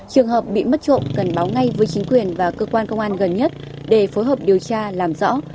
trường hợp bị mất trộm cần báo ngay với chính quyền và cơ quan công an gần nhất để phối hợp điều tra làm rõ